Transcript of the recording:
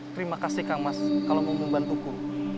terima kasih kang mas kalau mau membantuku